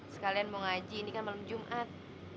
sekalian mau ngaji ini kan malam jumat